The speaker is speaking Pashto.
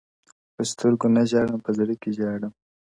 په ســتــرگــو نــه ژاړم پـه زړه كــــــي ژاړم.!